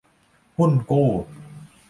หุ้นกู้